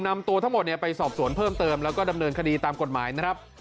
นำตัวทั้งหมดไปสอบสวนเพิ่มเติมแล้วก็ดำเนินคดีตามกฎหมายนะครับ